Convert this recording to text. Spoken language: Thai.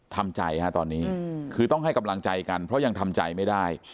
ทำใจฮะตอนนี้คือต้องให้กำลังใจกันเพราะยังทำใจไม่ได้